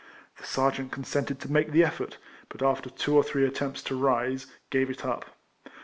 The sergeant consented to make the effort, but after two or three attempts to rise, gave it up.